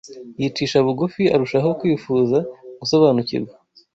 yicisha bugufi arushaho kwifuza gusobanukirwa